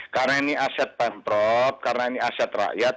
karena ini aset pamprop karena ini aset rakyat